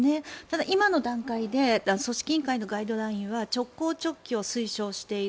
今の段階で組織委員会のガイドラインは直行直帰を推奨している。